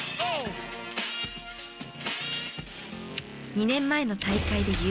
２年前の大会で優勝。